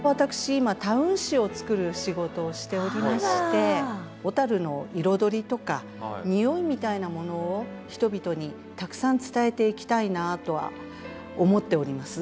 今タウン誌を作る仕事をしておりまして小の彩りとかにおいみたいなものを人々にたくさん伝えていきたいなとは思っております。